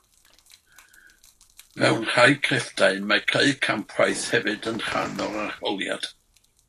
Mewn rhai crefftau, mae creu campwaith hefyd yn rhan o'r arholiad.